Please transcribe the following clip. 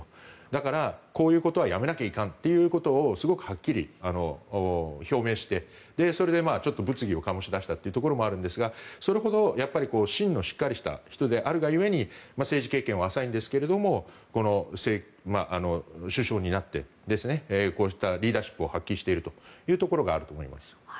だから、こういうことはやめなきゃいかんということをすごくはっきり表明してそれでちょっと物議を醸し出したというところもあるんですがそれほどやっぱり芯のしっかりした人であるが故に政治経験は浅いんですけど首相になってこうしたリーダーシップを発揮しているところがあると思います。